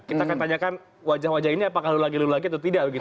kita akan tanyakan wajah wajah ini apakah lulagi lulagi atau tidak begitu